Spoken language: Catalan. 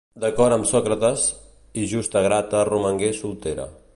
D'acord amb Sòcrates, i Justa Grata romangué soltera.